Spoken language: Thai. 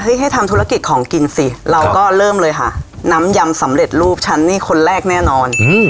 ให้ทำธุรกิจของกินสิเราก็เริ่มเลยค่ะน้ำยำสำเร็จรูปฉันนี่คนแรกแน่นอน